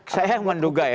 saya yang menduga ya